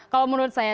kalau menurut saya